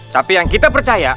tapi yang kita percaya